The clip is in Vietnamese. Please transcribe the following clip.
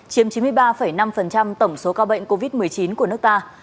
chiếm chín mươi ba năm tổng số ca bệnh covid một mươi chín của nước ta